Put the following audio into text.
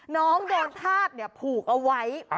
น้องโดนทาสเนี่ยผูกเอาไว้